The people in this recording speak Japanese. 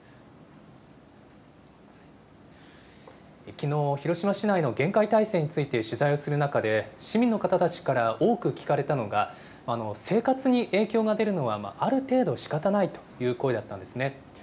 きのう、広島市内の厳戒態勢について取材をする中で、市民の方たちから多く聞かれたのが、生活に影響が出るのはある程度、しかたないという声だったんですね。